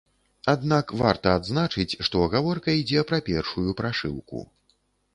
Аднак, варта адзначыць, што гаворка ідзе пра першую прашыўку.